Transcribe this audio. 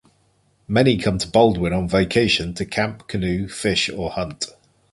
Many come to Baldwin on vacation to camp, canoe, fish, or hunt.